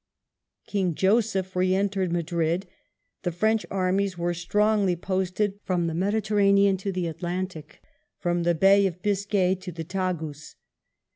King Joseph re entered Madrid ; the French armies were strongly posted from the Mediterranean to the Atlantic, from the Bay of Biscay to the Tagus.